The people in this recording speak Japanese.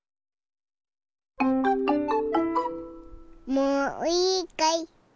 もういいかい？